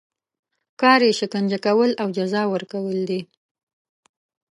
کار یې شکنجه کول او جزا ورکول دي.